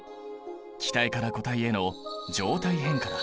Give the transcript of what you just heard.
気体から固体への状態変化だ。